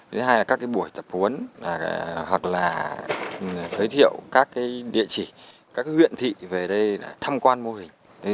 thứ hai là các buổi tập huấn hoặc là giới thiệu các địa chỉ các huyện thị về đây tham quan mô hình